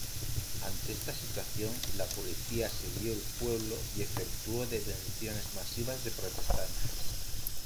Ante esta situación, la policía asedió el pueblo y efectuó detenciones masivas de protestantes.